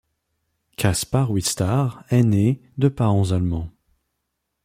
Caspar Wistar est né de parents allemands.